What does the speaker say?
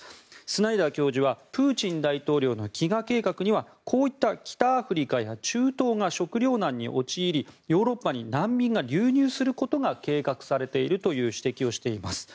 スナイダー教授はプーチン大統領の飢餓計画にはこういった北アフリカや中東が食糧難に陥りヨーロッパに難民が流入することが計画されると指摘をしています。